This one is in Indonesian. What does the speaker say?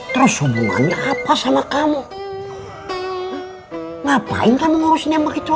terus semuanya apa sama kamu ngapain kamu ngurusin yang begitu